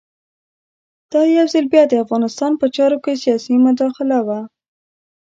دا یو ځل بیا د افغانستان په چارو کې سیاسي مداخله وه.